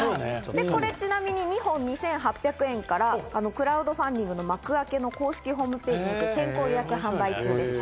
これちなみに２本２８００円からクラウドファンディングのＭａｋｕａｋｅの公式ホームページで先行予約販売中です。